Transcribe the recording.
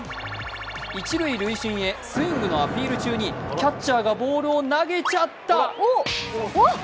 一塁塁審へスイングのアピール中にキャッチャーがボールを投げちゃった。